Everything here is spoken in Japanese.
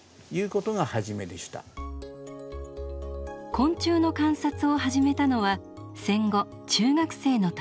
昆虫の観察を始めたのは戦後中学生の時。